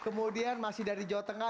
kemudian masih dari jawa tengah